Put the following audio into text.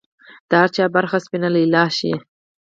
د هر چا برخه سپینه لیلا شي